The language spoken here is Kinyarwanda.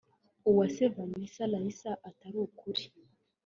Uwase Vanessa Raissa atari ukuri